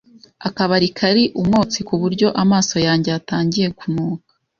Akabari kari umwotsi kuburyo amaso yanjye yatangiye kunuka.